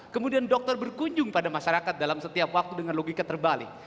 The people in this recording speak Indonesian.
kemudian dokter berkunjung pada masyarakat dalam setiap waktu dengan logika terbalik